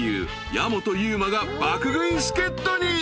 矢本悠馬が爆食い助っ人に］